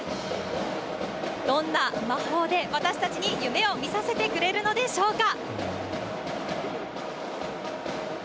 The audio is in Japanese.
どんな魔法で私たちに夢を見させてくれるのでしょうか。